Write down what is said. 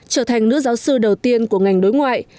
trở thành nữ giáo sư đầu tiên của ngành đối ngoại